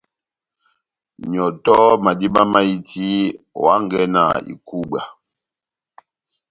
Nyɔtɔhɔ madíba máhiti, ohangɛ na ikúbwa.